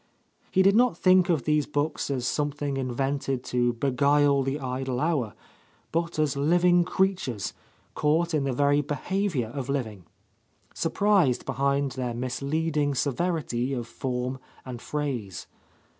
He did not think of these books as something invented to beguile the idle hour, but as living creatures, caught in the very behaviour of living, — surprised behind their misleading severity of form and phrase.